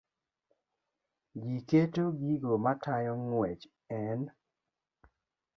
Ji keto gigo matayo ng'wech e n